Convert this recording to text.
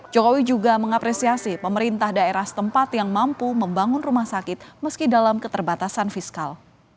jokowi juga mengapresiasi pemerintah daerah setempat yang mampu membangun rumah sakit meski dalam keterbatasan fiskal